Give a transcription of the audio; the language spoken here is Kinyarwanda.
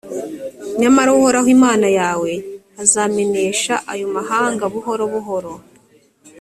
nyamara uhoraho imana yawe azamenesha ayo mahanga buhoro buhoro: